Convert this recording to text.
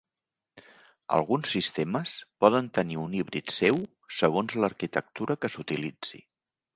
Alguns sistemes poden tenir un híbrid seu segons l'arquitectura que s'utilitzi.